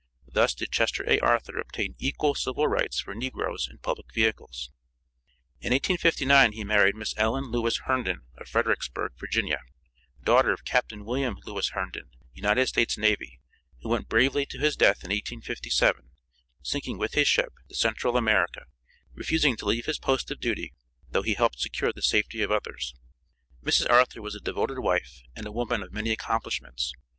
Thus did Chester A. Arthur obtain equal civil rights for negroes in public vehicles. In 1859 he married Miss Ellen Lewis Herndon, of Fredericksburg, Virginia; daughter of Captain William Lewis Herndon, United States Navy, who went bravely to his death in 1857, sinking with his ship, the Central America, refusing to leave his post of duty, though he helped secure the safety of others. Mrs. Arthur was a devoted wife, and a woman of many accomplishments.